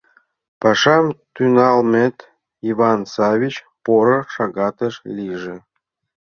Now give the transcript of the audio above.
Пашам тӱҥалмет, Иван Саввич, поро шагатеш лийже!